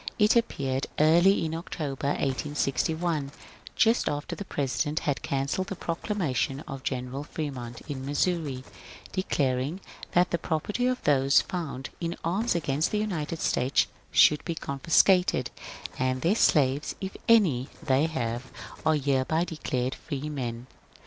It appeared early in October, 1861, just after the President had cancelled the proclamation of Greneral Fremont in Missouri declaring that the property of those found in arms against the United States should be confiscated, ^^ and their slaves, if any they have, are hereby declared freemen.'